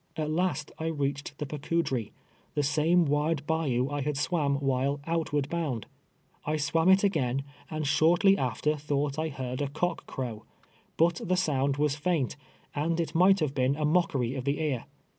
At last I reached the Pacouch ie, the same wide bayou I had swam while " outward bound." I swam it again, and shortly after thought I heard a cock crow, but the sound was Ifjiint, and it might have been a mockery of the ear.